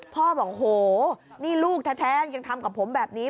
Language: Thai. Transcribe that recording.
พ่อบอกโหนี่ลูกแท้ยังทำกับผมแบบนี้